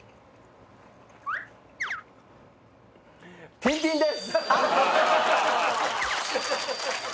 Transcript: ピンピンです！